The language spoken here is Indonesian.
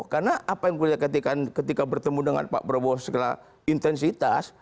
karena apa yang ketika bertemu dengan pak prabowo segala intensitas